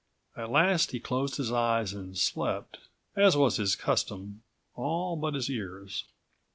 At last he closed his eyes and slept, as was his custom, all but his ears.